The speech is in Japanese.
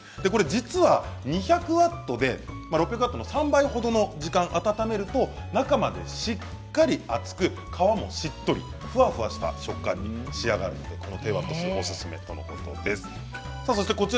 実は２００ワットで６００ワットの３倍ほどの時間温めると中までしっかり熱く皮もしっとりふわふわした食感に仕上がるので低ワット数がおすすめということでした。